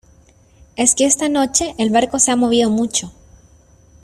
es que esta noche el barco se ha movido mucho.